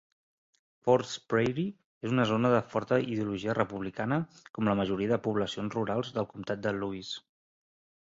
Fords Prairie es una zona de forta ideologia republicana, com la majoria de poblacions rurals del comtat de Lewis.